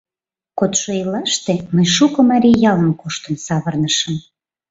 Кодшо ийлаште мый шуко марий ялым коштын савырнышым.